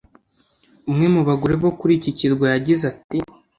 Umwe mu bagore bo kuri iki kirwa yagize ati